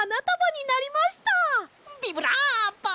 ビブラーボ！